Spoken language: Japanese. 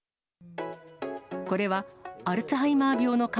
これはアルツハイマー病の患